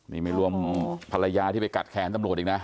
นี่ไม่รวมภรรยาที่ไปกัดแขนตำรวจอีกนะ